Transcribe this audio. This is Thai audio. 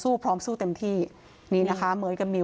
คุณพ่อคุณว่าไง